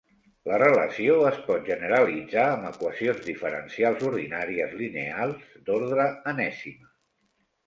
La relació es pot generalitzar amb equacions diferencials ordinàries lineals d'ordre enèsima.